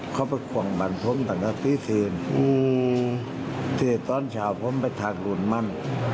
เขาไปควังบันพร้อมต่างกับตีทีนที่ตอนเช้าผมไปทางหลุนมัน